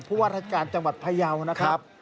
ว่าราชการจังหวัดพยาวนะครับ